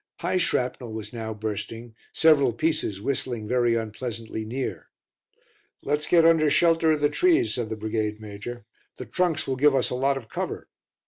High shrapnel was now bursting, several pieces whistling very unpleasantly near. "Let's get under shelter of the trees," said the Brigade Major, "the trunks will give us a lot of cover."